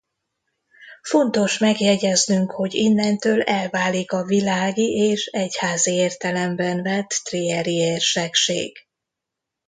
Fontos megjegyeznünk hogy innentől elválik a világi és egyházi értelemben vett Trieri Érsekség.